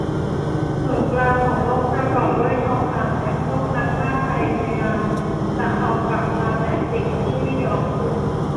ศูนย์กลางของโลกประกอบด้วยทองคำ แต่พวกนักล่าพยายามจะเอากลับมาแต่สิ่งที่ไม่ย้อนคืน